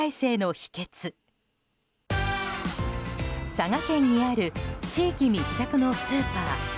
佐賀県にある地域密着のスーパー。